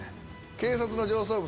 警察の上層部